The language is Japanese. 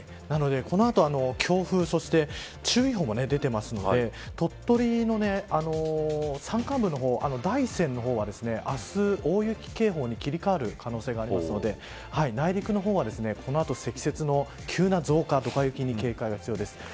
なので、この後、強風そして注意報も出ていますので鳥取の山間部の方、大山の方は明日、大雪傾向に切り替わる可能性がありますので内陸の方は、この後、積雪の急な増加、ドカ雪に警戒で必要です。